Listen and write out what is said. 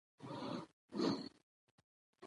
عبارت خپلواک نه يي.